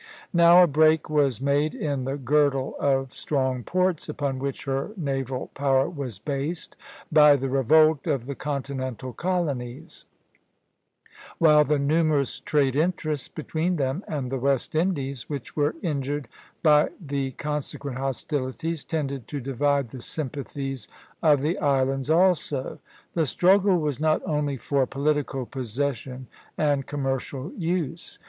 Now a break was made in the girdle of strong ports upon which her naval power was based, by the revolt of the continental colonies; while the numerous trade interests between them and the West Indies, which were injured by the consequent hostilities, tended to divide the sympathies of the islands also. The struggle was not only for political possession and commercial use.